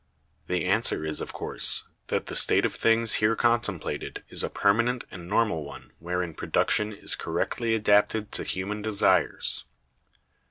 The answer is, of course, that the state of things here contemplated is a permanent and normal one wherein production is correctly adapted to human desires.